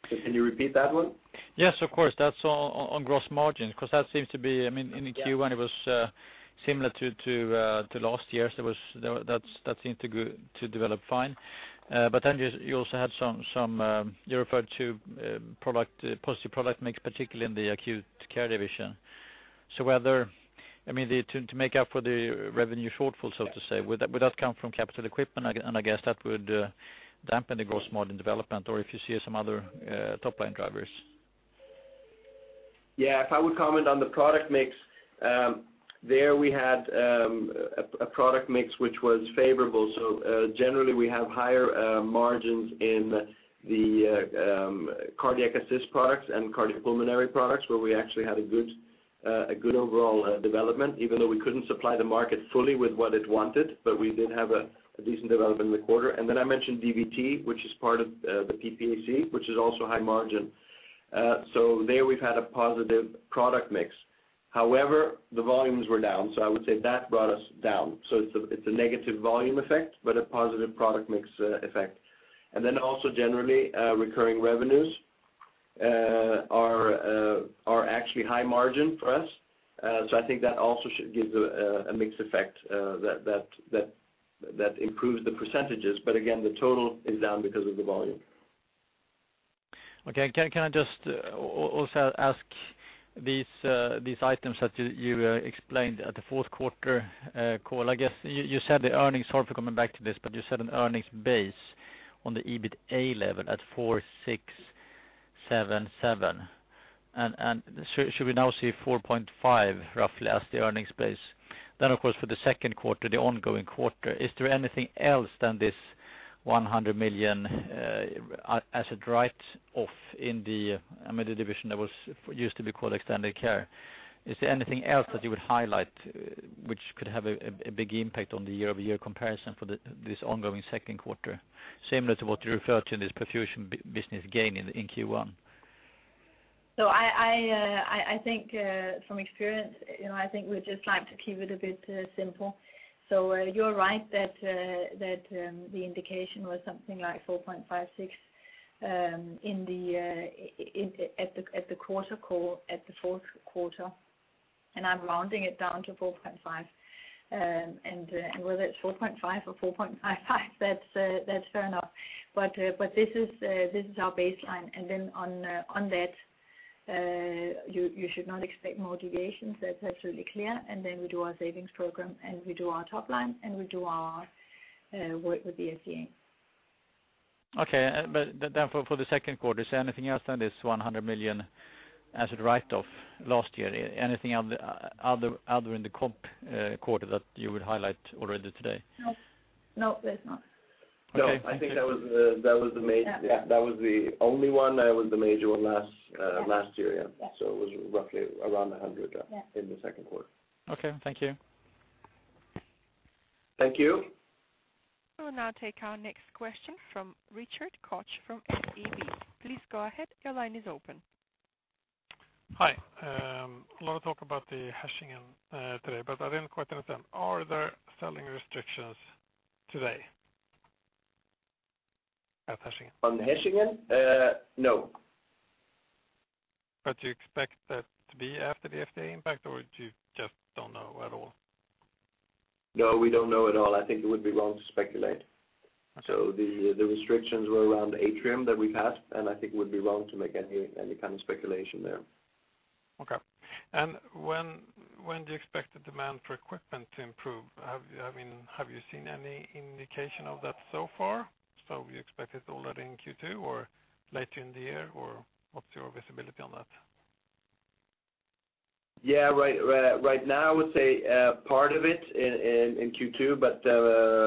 Can you repeat that one? Yes, of course. That's on gross margin, 'cause that seems to be, I mean, in Q1, it was similar to last year. So it was—that seemed to develop fine. But then you also referred to positive product mix, particularly in the Acute Care division. So whether, I mean, to make up for the revenue shortfall, so to say, would that come from capital equipment? And I guess that would dampen the gross margin development, or if you see some other top-line drivers. Yeah, if I would comment on the product mix, there we had a product mix which was favorable. So, generally, we have higher margins in the Cardiac Assist products and Cardiopulmonary products, where we actually had a good overall development, even though we couldn't supply the market fully with what it wanted, but we did have a decent development in the quarter. And then I mentioned DVT, which is part of the PPAC, which is also high margin. So there we've had a positive product mix. However, the volumes were down, so I would say that brought us down. So it's a negative volume effect, but a positive product mix effect. And then also generally, recurring revenues are actually high margin for us. So I think that also should give a mixed effect that improves the percentages. But again, the total is down because of the volume. Okay. Can I just also ask these items that you explained at the fourth quarter call? I guess you said the earnings, sorry for coming back to this, but you said an earnings base on the EBITA level at 4,677. And should we now see 4.5, roughly, as the earnings base? Then, of course, for the second quarter, the ongoing quarter, is there anything else than this 100 million asset write-off in the, I mean, the division that was used to be called Extended Care? Is there anything else that you would highlight which could have a big impact on the year-over-year comparison for this ongoing second quarter, similar to what you referred to in this perfusion business gain in Q1? So I think, from experience, you know, I think we'd just like to keep it a bit simple. You're right that the indication was something like 4.5-6 at the quarter call, at the fourth quarter, and I'm rounding it down to 4.5. And whether it's 4.5 or 4.5, that's fair enough. But this is our baseline, and then on that, you should not expect more deviations. That's absolutely clear. And then we do our savings program, and we do our top line, and we do our work with the FDA. Okay. But then for the second quarter, is there anything else than this 100 million asset write-off last year? Anything else, other in the comp quarter that you would highlight already today? No. No, there's not. Okay. No, I think that was the main- Yeah. Yeah, that was the only one, that was the major one last, Yes... last year. Yeah. Yes. It was roughly around 100. Yeah... in the second quarter. Okay. Thank you. Thank you. We will now take our next question from Rickard Koch from SEB. Please go ahead. Your line is open. Hi. A lot of talk about the Hechingen today, but I didn't quite understand. Are there selling restrictions today at Hechingen? On the Hechingen? No. But do you expect that to be after the FDA impact, or do you just don't know at all? No, we don't know at all. I think it would be wrong to speculate. Okay. So the restrictions were around the Atrium that we've had, and I think it would be wrong to make any kind of speculation there. Okay. And when do you expect the demand for equipment to improve? I mean, have you seen any indication of that so far? So you expect it already in Q2, or later in the year, or what's your visibility on that? Yeah, right, right now, I would say part of it in Q2, but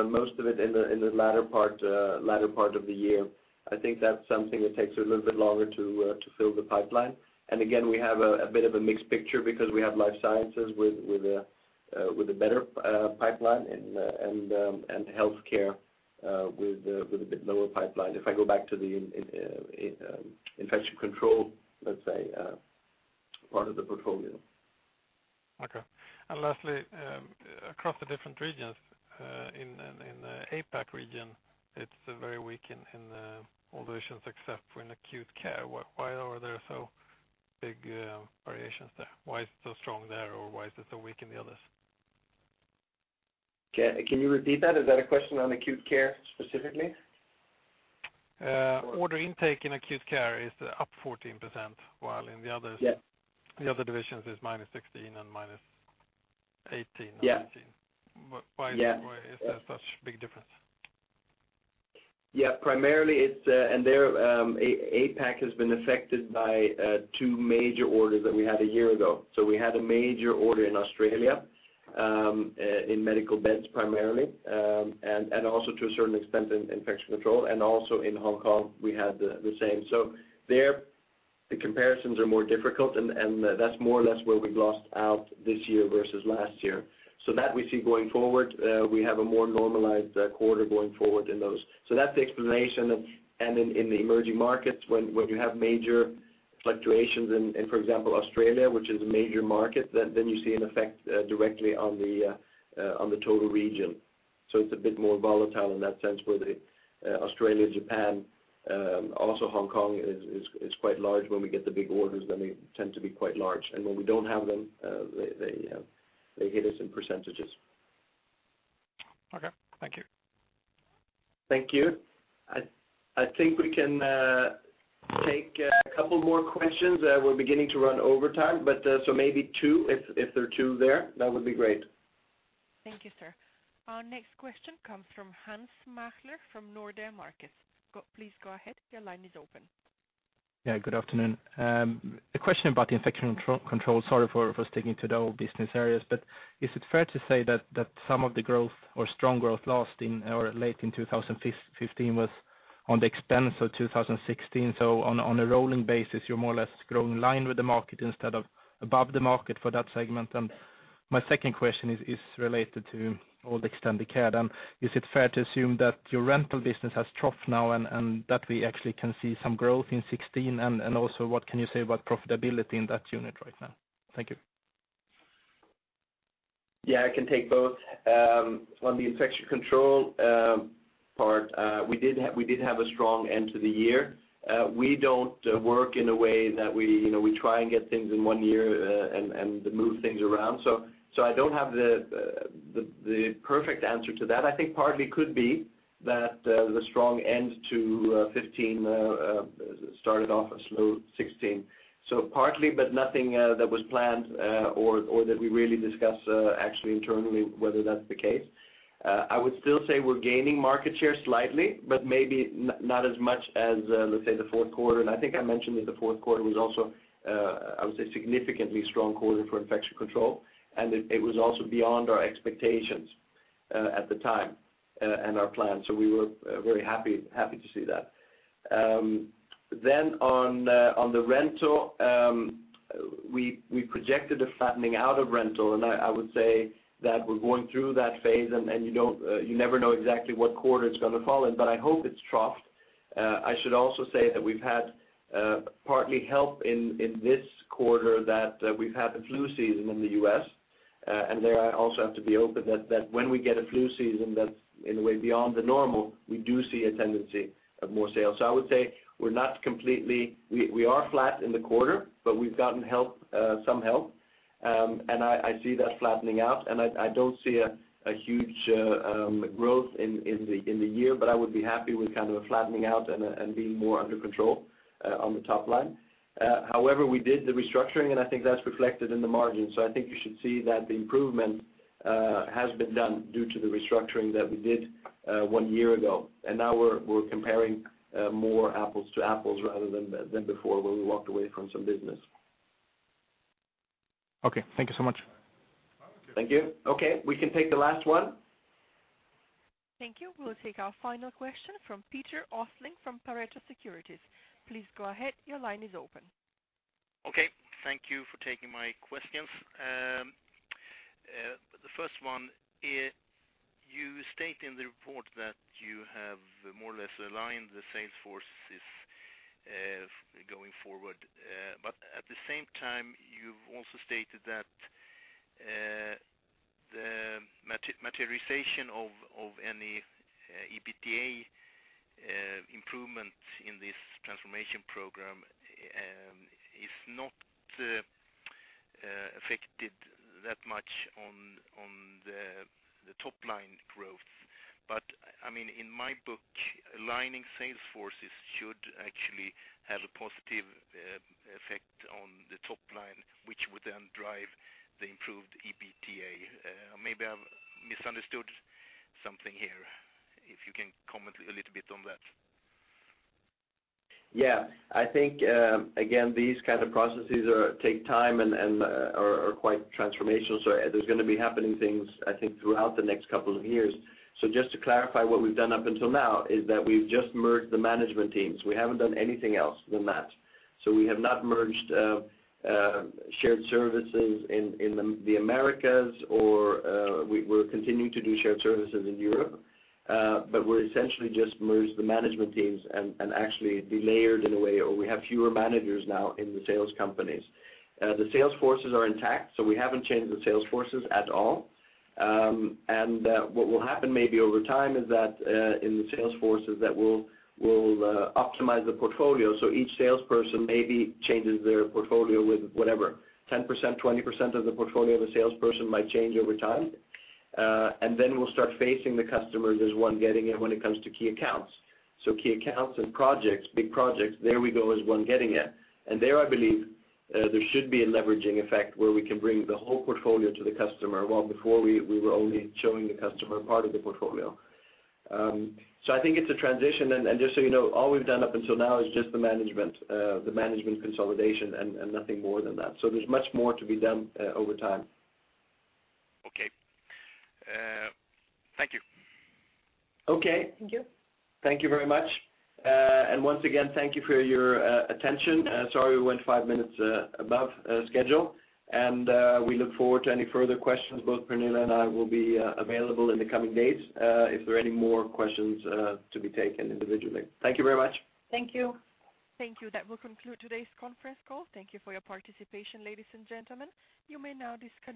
most of it in the latter part of the year. I think that's something that takes a little bit longer to fill the pipeline. And again, we have a bit of a mixed picture because we have Life Sciences with a better pipeline and healthcare with a bit lower pipeline, if I go back to the Infection Control, let's say, part of the portfolio. Okay. And lastly, across the different regions, in the APAC region, it's very weak in all divisions except for in Acute Care. Why are there so big variations there? Why is it so strong there, or why is it so weak in the others? Okay, can you repeat that? Is that a question on Acute Care specifically? Order intake in Acute Care is up 14%, while in the others- Yeah... the other divisions is -16 and -18- Yeah... or -19. Yeah. Why, why is there such big difference? Yeah, primarily it's, and there, APAC has been affected by, two major orders that we had a year ago. So we had a major order in Australia, in medical beds primarily, and, and also to a certain extent in Infection Control, and also in Hong Kong, we had the, the same. So the comparisons are more difficult, and, and that's more or less where we've lost out this year versus last year. So that we see going forward, we have a more normalized, quarter going forward in those. So that's the explanation. And in, in the emerging markets, when, when you have major fluctuations in, in, for example, Australia, which is a major market, then, then you see an effect, directly on the, on the total region. So it's a bit more volatile in that sense, where the Australia, Japan, also Hong Kong is quite large. When we get the big orders, then they tend to be quite large, and when we don't have them, they hit us in percentages. Okay, thank you. Thank you. I think we can take a couple more questions. We're beginning to run overtime, but so maybe two. If there are two there, that would be great. Thank you, sir. Our next question comes from Hans Mähler, from Nordea Markets. Please go ahead. Your line is open. Yeah, good afternoon. A question about the Infection Control. Sorry for sticking to the old business areas, but is it fair to say that some of the growth or strong growth lost in or late in 2015 was on the expense of 2016? So on a rolling basis, you're more or less growing in line with the market instead of above the market for that segment. And my second question is related to all the Extended Care, then. Is it fair to assume that your rental business has troughed now, and that we actually can see some growth in 2016? And also, what can you say about profitability in that unit right now? Thank you. Yeah, I can take both. On the Infection Control part, we did have, we did have a strong end to the year. We don't work in a way that we, you know, we try and get things in one year, and move things around. So I don't have the perfect answer to that. I think partly could be that the strong end to 2015 started off a slow 2016. So partly, but nothing that was planned or that we really discussed actually internally, whether that's the case. I would still say we're gaining market share slightly, but maybe not as much as, let's say, the fourth quarter. I think I mentioned that the fourth quarter was also, I would say, a significantly strong quarter for Infection Control, and it was also beyond our expectations at the time and our plan. So we were very happy to see that. Then on the rental, we projected a flattening out of rental, and I would say that we're going through that phase, and you don't, you never know exactly what quarter it's going to fall in, but I hope it's troughed. I should also say that we've had partly help in this quarter, that we've had the flu season in the U.S. And there I also have to be open that, that when we get a flu season that's in a way beyond the normal, we do see a tendency of more sales. So I would say we're not completely—we are flat in the quarter, but we've gotten help, some help. And I see that flattening out, and I don't see a huge growth in the year, but I would be happy with kind of a flattening out and being more under control on the top line. However, we did the restructuring, and I think that's reflected in the margins. So I think you should see that the improvement has been done due to the restructuring that we did one year ago. Now we're comparing more apples to apples rather than before, when we walked away from some business. Okay, thank you so much. Thank you. Okay, we can take the last one. Thank you. We'll take our final question from Peter Östling from Pareto Securities. Please go ahead. Your line is open. Okay, thank you for taking my questions. The first one is, you state in the report that you have more or less aligned the sales forces, going forward. But at the same time, you've also stated that, the materialization of, of any, EBITA, improvement in this transformation program, is not, affected that much on, on the, the top-line growth. But, I mean, in my book, aligning sales forces should actually have a positive, effect on the top line, which would then drive the improved EBITA. Maybe I've misunderstood something here. If you can comment a little bit on that. Yeah. I think, again, these kinds of processes are take time and, and are, quite transformational. So there's going to be happening things, I think, throughout the next couple of years. So just to clarify, what we've done up until now is that we've just merged the management teams. We haven't done anything else than that. So we have not merged shared services in, in the, the Americas, or, we, we're continuing to do shared services in Europe. But we're essentially just merged the management teams and, and actually delayered in a way, or we have fewer managers now in the sales companies. The sales forces are intact, so we haven't changed the sales forces at all. And, what will happen maybe over time is that, in the sales forces, that we'll, we'll, optimize the portfolio. So each salesperson maybe changes their portfolio with whatever, 10%, 20% of the portfolio, the salesperson might change over time. And then we'll start facing the customer as one Getinge when it comes to key accounts. So key accounts and projects, big projects, there we go as one Getinge. And there, I believe, there should be a leveraging effect where we can bring the whole portfolio to the customer, while before we, we were only showing the customer part of the portfolio. So I think it's a transition. And, and just so you know, all we've done up until now is just the management, the management consolidation and, and nothing more than that. So there's much more to be done, over time. Okay. Thank you. Okay. Thank you. Thank you very much. Once again, thank you for your attention. Sorry, we went five minutes above schedule, and we look forward to any further questions. Both Pernille and I will be available in the coming days, if there are any more questions to be taken individually. Thank you very much. Thank you. Thank you. That will conclude today's conference call. Thank you for your participation, ladies and gentlemen. You may now disconnect.